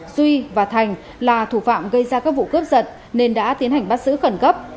duy và thành là thủ phạm gây ra các vụ cướp giật nên đã tiến hành bắt giữ khẩn cấp